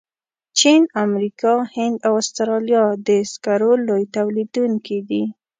چین، امریکا، هند او استرالیا د سکرو لوی تولیدونکي دي.